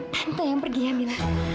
tante yang pergi ya mila